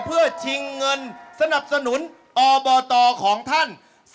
เพื่อชิงเงินสนับสนุนออเบอร์ตอร์ของท่าน